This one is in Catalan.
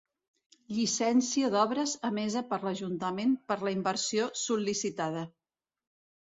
Llicència d'obres emesa per l'ajuntament per la inversió sol·licitada.